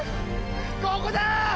ここだ！